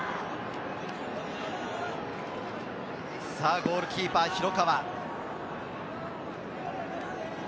ゴールキーパー・広川。